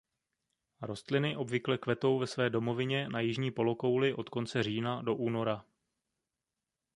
Rostliny obvykle kvetou ve své domovině na jižní polokouli od konce října do února.